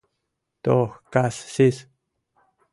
— Тох кас сис!